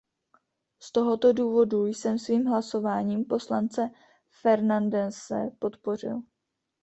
Z tohoto důvodu jsem svým hlasováním poslance Fernandese podpořil.